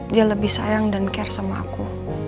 dia lebih sayang dan care sama aku